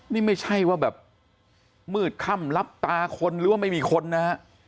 นี่ไม่ใช่ว่าแบบมืดค่ำรับตาคนหรือว่าไม่มีคนนะฮะ